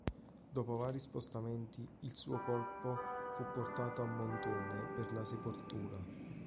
Dopo vari spostamenti, il suo corpo fu portato a Montone per la sepoltura.